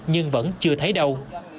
nhưng vẫn chưa thấy đâu